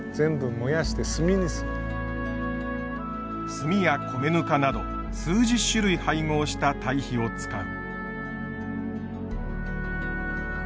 炭や米ぬかなど数十種類配合した堆肥を使う。